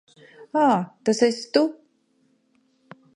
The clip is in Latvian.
Ā, tas esi tu.